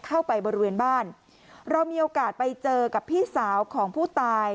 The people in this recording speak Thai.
เข้าไปบริเวณบ้านเรามีโอกาสไปเจอกับพี่สาวของผู้ตาย